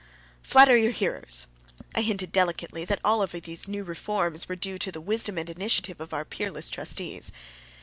"Flatter your hearers." I hinted delicately that all of these new reforms were due to the wisdom and initiative of our peerless trustees.